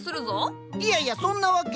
いやいやそんなわけ。